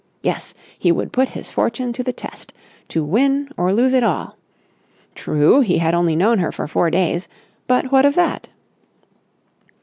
Yes, he would put his fortune to the test, to win or lose it all. True, he had only known her for four days, but what of that?